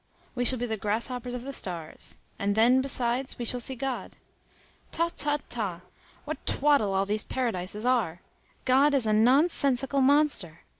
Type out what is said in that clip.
We shall be the grasshoppers of the stars. And then, besides, we shall see God. Ta, ta, ta! What twaddle all these paradises are! God is a nonsensical monster.